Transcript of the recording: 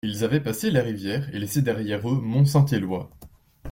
Ils avaient passé la rivière et laissé derrière eux Mont-Saint-Éloy.